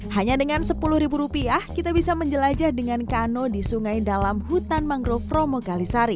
hanya dengan sepuluh ribu rupiah kita bisa menjelajah dengan kano di sungai dalam hutan mangrove promo kalisari